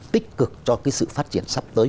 tích cực cho cái sự phát triển sắp tới